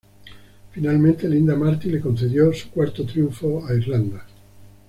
Finalmente Linda Martin le concedió su cuarto triunfo a Irlanda.